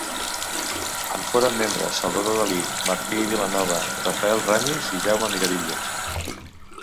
En foren membres Salvador Dalí, Martí Vilanova, Rafael Ramis i Jaume Miravitlles.